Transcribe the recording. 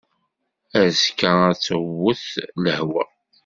Azekka ad d-tewwet lehwa.